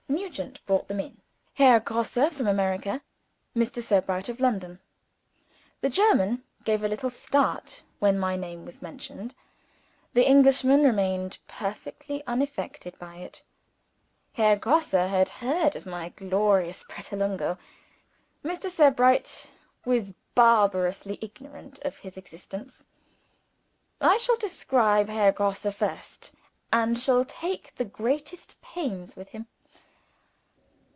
Nugent brought them in. Herr Grosse, from America. Mr. Sebright of London. The German gave a little start when my name was mentioned. The Englishman remained perfectly unaffected by it. Herr Grosse had heard of my glorious Pratolungo. Mr. Sebright was barbarously ignorant of his existence. I shall describe Herr Grosse first, and shall take the greatest pains with him.